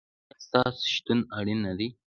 ایا ستاسو شتون اړین نه دی؟